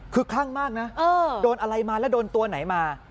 คือคลั่งมากนะโดนอะไรมาแล้วโดนตัวไหนมา